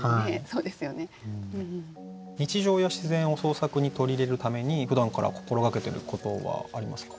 日常や自然を創作に取り入れるために普段から心がけてることはありますか？